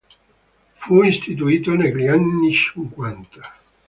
Fu istituito negli anni cinquanta.